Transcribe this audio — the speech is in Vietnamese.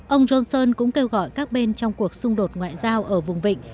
ông johnson cũng kêu gọi các bên trong cuộc xung đột ngoại giao ở vùng vịnh